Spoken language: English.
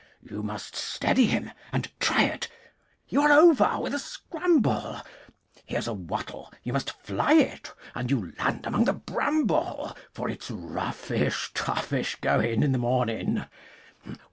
You must steady him and try it, You are over with a scramble. Here's a wattle! You must fly it, And you land among the bramble, For it's roughish, toughish going in the morning.